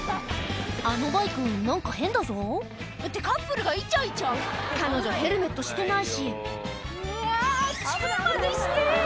あのバイク何か変だぞってカップルがイチャイチャ彼女ヘルメットしてないしうわチュまでして！